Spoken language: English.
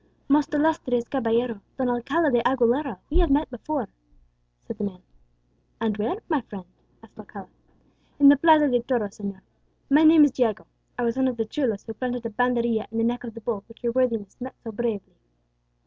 "Most illustrious caballero, Don Alcala de Aguilera, we have met before," said the man. "And where, my friend?" asked Alcala. "In the Plaza de Toros, señor. My name is Diego. I was one of the chulos who planted a banderilla in the neck of the bull which your worthiness met so bravely."